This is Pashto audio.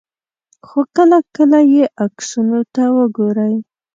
خو کله کله یې عکسونو ته وګورئ.